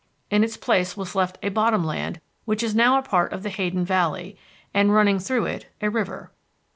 In its place was left a bottom land which is now a part of the Hayden Valley, and, running through it, a river.